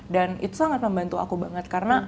dan itu sangat membantu aku banget karena